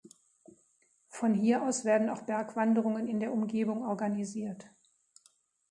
Von hier aus werden auch Bergwanderungen in der Umgebung organisiert.